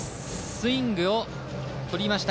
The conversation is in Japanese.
スイングをとりました。